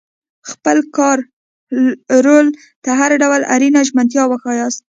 خپل کاري رول ته هر ډول اړینه ژمنتیا وښایاست.